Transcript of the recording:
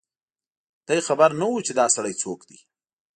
دی خبر نه و چي دا سړی څوک دی